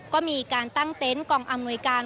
ก็มีการตั้งเต็นต์กองอำนวยการ